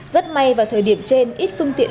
rất may vào thời điểm trên ít phương tiện